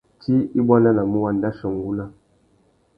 Tsi i buandanamú wandachia ungúná.